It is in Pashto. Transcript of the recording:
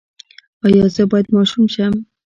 ایا زه باید ماشوم شم؟